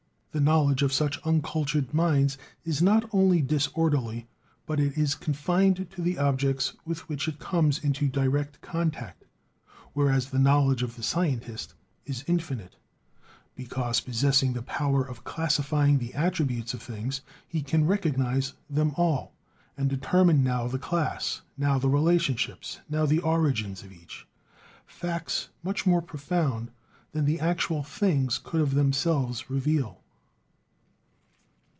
The knowledge of such uncultured minds is not only disorderly, but it is confined to the objects with which it comes into direct contact, whereas the knowledge of the scientist is infinite, because, possessing the power of classifying the attributes of things, he can recognize them all, and determine now the class, now the relationships, now the origins of each; facts much more profound than the actual things could of themselves reveal.